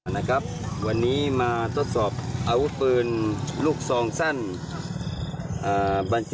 นะครับวันนี้มาทดสอบอาวุ้ปือนลูกสองสั้นเออบันส์จุ